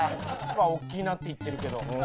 大きなっていってるけど。